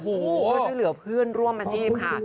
เพื่อช่วยเหลือเพื่อนร่วมอาชีพค่ะ